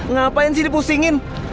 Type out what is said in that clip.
ngapain sih dipusingin